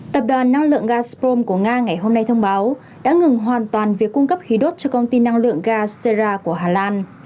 tập đoàn năng lượng gazprom của nga ngày hôm nay thông báo đã ngừng hoàn toàn việc cung cấp khí đốt cho công ty năng lượng ga stera của hà lan